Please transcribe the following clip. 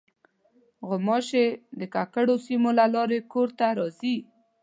غوماشې د ککړو سیمو له لارې کور ته راځي.